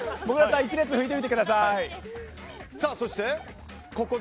１列吹いてみてください。